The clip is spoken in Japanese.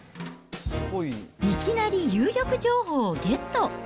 いきなり有力情報をゲット。